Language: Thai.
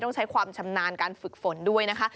ต้องใช้ความชำนาญการฝึกฝนด้วยนะคะ